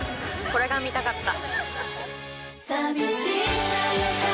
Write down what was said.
これが見たかった。